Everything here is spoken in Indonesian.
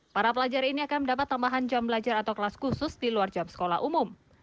para pelajar ini akan mendapat tambahan jam belajar atau kelas khusus di luar jam sekolah umum